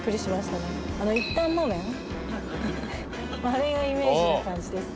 あれがイメージな感じです。